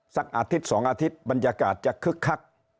อาทิตย์๒อาทิตย์บรรยากาศจะคึกคัก